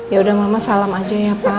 ya udah mama salam aja ya pak